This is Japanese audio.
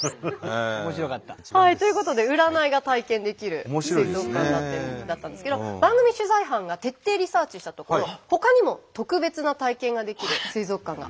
面白かった。ということで占いが体験できる水族館だったんですけど番組取材班が徹底リサーチしたところほかにも特別な体験ができる水族館がありました。